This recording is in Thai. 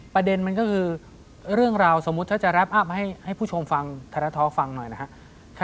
ประเด็นมันก็คือเรื่องราวสมมุติถ้าจะแรปอัพให้ผู้ชมฟังไทยรัฐท้อฟังหน่อยนะครับ